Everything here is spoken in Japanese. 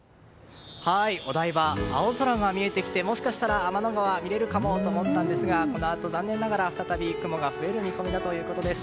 お台場、青空が見えてきてもしかしたら天の川見れるかもと思ったんですがこのあと残念ながら再び雲が増える見込みだということです。